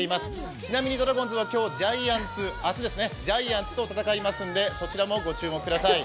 ちなみにドラゴンズは明日、ジャイアンツと戦いますのでそちらもご注目ください。